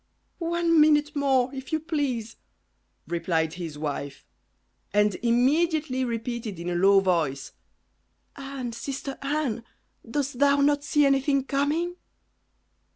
"One minute more, if you please," replied his wife; and immediately repeated in a low voice, "Anne! sister Anne! dost thou not see anything coming?"